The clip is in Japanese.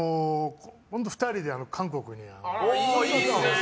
２人で韓国に。